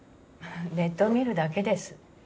ネットを見るだけです。